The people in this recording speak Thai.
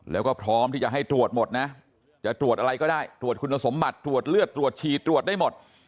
แล้วก็พร้อมที่จะให้ตรวจหมดนะจะตรวจอะไรก็ได้ตรวจคุณสมบัติตรวจเลือดตรวจฉีดตรวจได้หมด